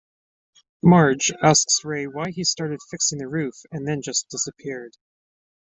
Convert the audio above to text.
Marge asks Ray why he started fixing the roof, and then just disappeared.